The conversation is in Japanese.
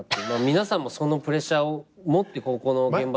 皆さんもそのプレッシャーを持って現場に。